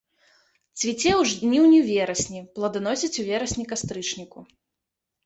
Цвіце ў жніўні-верасні, пладаносіць у верасні-кастрычніку.